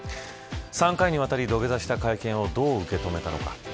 ３回にわたり土下座した会見をどう受け止めたのか。